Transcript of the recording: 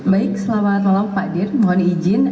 baik selamat malam pak dir mohon izin